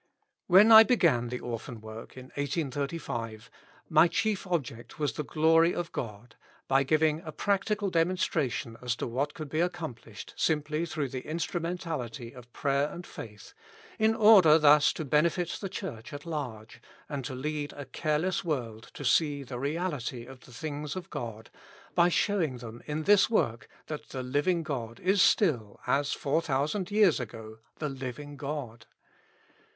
" When I began the Orphan work in 1835, my chief object was the glory of God, by giving a practical demonstration as to what could be accomplished simply through the instrumentality of prayer and faith, in order thus to benefit the Church at large, and to lead a careless world to see the reality of the things of God, by showing them in this work, that the living God is still, as 4,000 years ago, the living God.